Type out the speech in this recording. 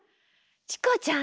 チコちゃん